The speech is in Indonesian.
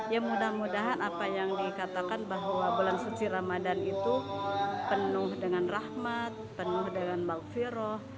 ya mudah mudahan apa yang dikatakan bahwa bulan suci ramadan itu penuh dengan rahmat penuh dengan bakfiroh